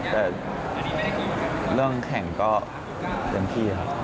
แต่เรื่องแข่งก็เต็มที่ครับ